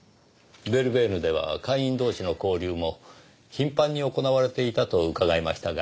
ヴェルベーヌでは会員同士の交流も頻繁に行われていたと伺いましたが。